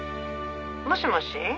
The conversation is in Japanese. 「もしもし？